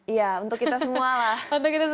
iya untuk kita semua lah